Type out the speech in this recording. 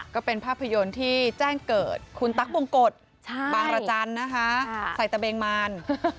ก็เป็นภาพยนตร์ที่แจ้งเกิดคุณตั๊กบงกฎบางรจันทร์นะคะใส่ตะเบงมาร